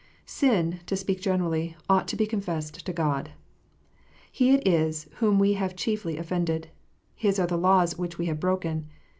Sin, to speak generally, ought to be confessed to God. He it is whom we have chiefly offended : His are the laws which we have broken.